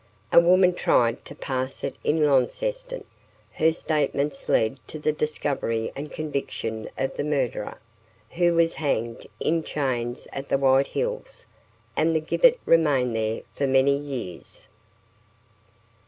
A woman tried to pass it in Launceston, and her statements led to the discovery and conviction of the murderer, who was hanged in chains at the White Hills, and the gibbet remained there for many years.